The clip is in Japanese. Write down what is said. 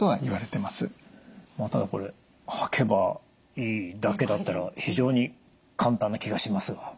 まあただこれ履けばいいだけだったら非常に簡単な気がしますが。